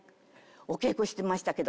お稽古してましたけど。